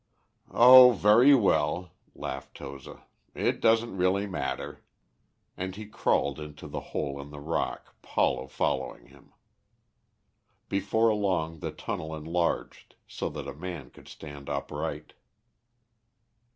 "Oh, very well," laughed Toza, "it doesn't really matter." And he crawled into the hole in the rock, Paulo following him. Before long the tunnel enlarged so that a man could stand upright.